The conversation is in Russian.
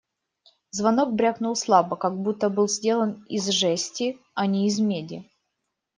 Звонок брякнул слабо, как будто был сделан из жести, а не из меди.